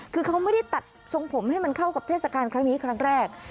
คือเขาไม่ได้ตัดทรงผมให้มันเข้ากับเทศกาลครั้งนี้ครั้งแรก